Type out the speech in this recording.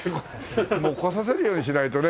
もう来させるようにしないとね。